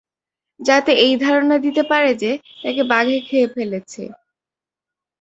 যাতে এই ধারণা দিতে পারে যে, তাকে বাঘে খেয়ে ফেলেছে।